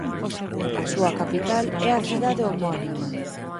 A súa capital é a cidade homónima.